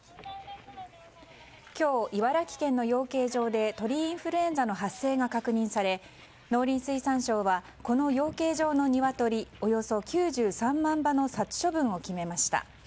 今日、茨城県の養鶏場で鳥インフルエンザの発生が確認され、農林水産省はこの養鶏場のニワトリおよそ９３万羽の殺処分を決めました。